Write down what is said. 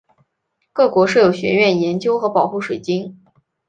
各国设有学院研究和保护水晶。